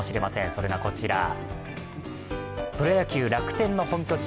それがこちら、プロ野球楽天の本拠地